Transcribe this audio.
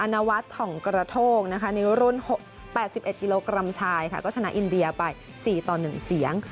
นวัฒน์ถ่องกระโทกในรุ่น๘๑กิโลกรัมชายค่ะก็ชนะอินเดียไป๔ต่อ๑เสียง